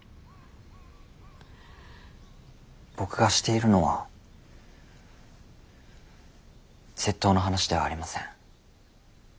僕がしているのは窃盗の話ではありません。